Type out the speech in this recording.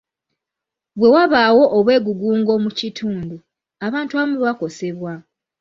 Bwe wabaawo obwegugungo mu kitundu, abantu abamu bakosebwa.